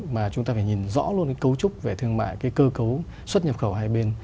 mà chúng ta phải nhìn rõ luôn cái cấu trúc về thương mại cái cơ cấu xuất nhập khẩu hai bên